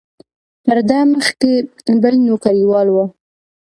تر ده مخکې بل نوکریوال و.